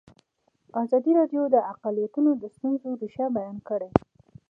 ازادي راډیو د اقلیتونه د ستونزو رېښه بیان کړې.